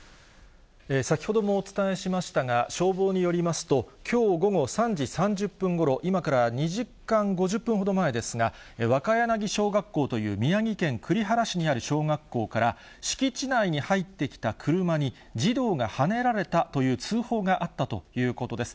先ほどもお伝えしましたが、消防によりますと、きょう午後３時３０分ごろ、今から２時間５０分ほど前ですが、若柳小学校という宮城県栗原市にある小学校から、敷地内に入ってきた車に児童がはねられたという通報があったということです。